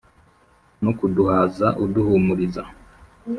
no kuduhaza uduhumuriza